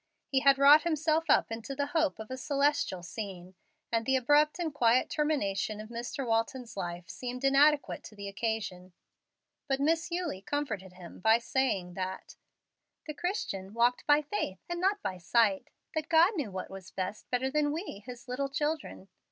He had wrought himself up into the hope of a celestial scene, and the abrupt and quiet termination of Mr. Walton's life seemed inadequate to the occasion. But Miss Eulie comforted him by saying that "the Christian walked by faith, and not by sight that God knew what was best, better than we, His little children.